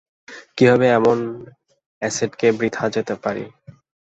কীভাবে এমন অ্যাসেটকে বৃথা যেতে পারি?